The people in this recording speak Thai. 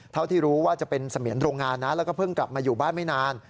เท่าที่รู้ว่าจะเป็นเสมียนโรงงานนะแล้วก็เพิ่งกลับมาอยู่บ้านไม่นาน